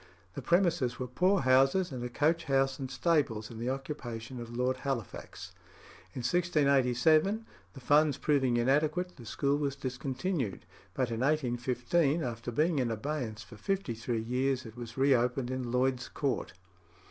The premises were poor houses, and a coach house and stables in the occupation of Lord Halifax. In 1687, the funds proving inadequate, the school was discontinued; but in 1815, after being in abeyance for fifty three years, it was re opened in Lloyd's Court.